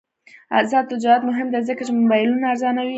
آزاد تجارت مهم دی ځکه چې موبایلونه ارزانوي.